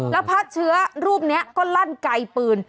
แล้วพระเชื้อรูปนี้ก็ลั่นไกลปืน